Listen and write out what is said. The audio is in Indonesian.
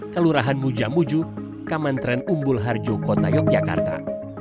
kelurahan mujamuju kaman tren umbul harjo kota yogyakarta